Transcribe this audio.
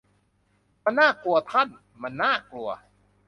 มันน่ากลัวท่าน มันน่ากลัว